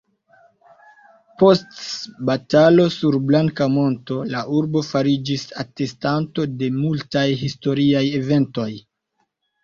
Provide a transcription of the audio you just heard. Post batalo sur Blanka Monto la urbo fariĝis atestanto de multaj historiaj eventoj.